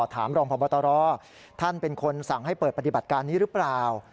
ถามรองพบตรท่านเป็นคนสั่งให้เปิดปฏิบัติการนี้หรือเปล่า